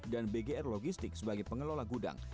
dan bgr logistik sebagai pengelola gudang